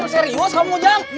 serius kamu jang